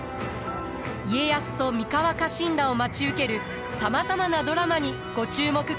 家康と三河家臣団を待ち受けるさまざまなドラマにご注目ください。